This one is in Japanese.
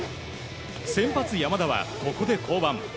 先発、山田はここで降板。